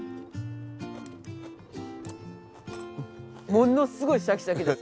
ものすごいシャキシャキです。